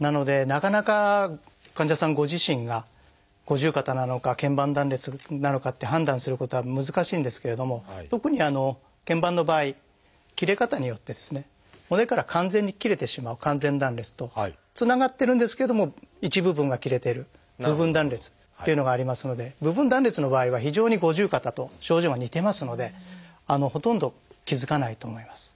なのでなかなか患者さんご自身が五十肩なのか腱板断裂なのかって判断することは難しいんですけれども特に腱板の場合切れ方によってですね骨から完全に切れてしまう「完全断裂」とつながってるんですけれども一部分が切れてる「部分断裂」っていうのがありますので部分断裂の場合は非常に五十肩と症状が似てますのでほとんど気付かないと思います。